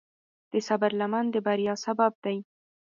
د صبر لمن د بریا سبب دی.